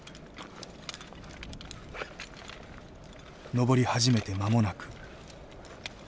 登り始めて間もなく。